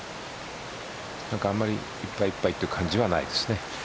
あんまりいっぱいいっぱいという感じはないですね。